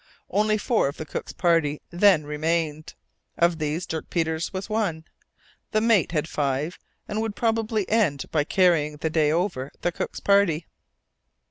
Only four of the cook's party then remained, of these Dirk Peters was one. The mate had five, and would probably end by carrying the day over the cook's party.